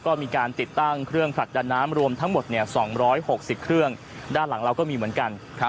ก็มีการติดตั้งเครื่องผลัดดันน้ำรวมทั้งหมดเนี่ยสองร้อยหกสิบเครื่องด้านหลังเราก็มีเหมือนกันครับ